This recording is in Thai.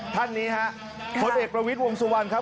ท่านนี้ฮะคฤตเอกประวิดภิวลงศวรรณครับ